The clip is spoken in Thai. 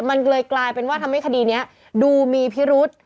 มันเลยกลายเป็นว่าทำให้คดีนี้ดูมีพิรุษ